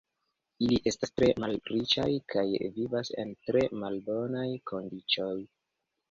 Ili estas tre malriĉaj kaj vivas en tre malbonaj kondiĉoj.